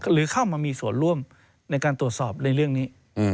หรือเข้ามามีส่วนร่วมในการตรวจสอบในเรื่องนี้